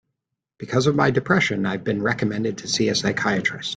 Because of my depression, I have been recommended to see a psychiatrist.